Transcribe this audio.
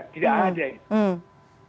tidak ada itu